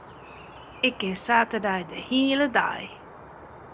Ik kin saterdei de hiele dei.